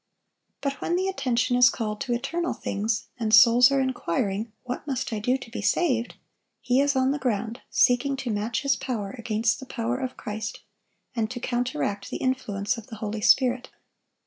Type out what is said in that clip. But when the attention is called to eternal things, and souls are inquiring, "What must I do to be saved?" he is on the ground, seeking to match his power against the power of Christ, and to counteract the influence of the Holy Spirit.